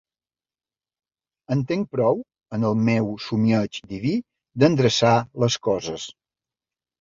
En tinc prou, en el meu somieig diví, d'endreçar les coses.